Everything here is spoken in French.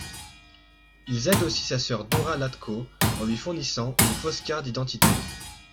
Ils aident aussi sa sœur Dora Iatco en lui fournissant une fausse carte d’identité.